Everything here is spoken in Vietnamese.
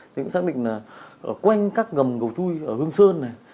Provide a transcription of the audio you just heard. chúng xác định là ở quanh các gầm cầu chui ở huân sơn này